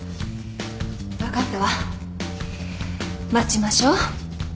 分かったわ待ちましょう